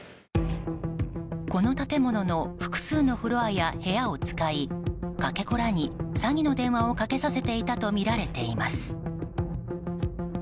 この建物の複数のフロアや部屋を使い、かけ子らに詐欺の電話をかけさせていたとみられています。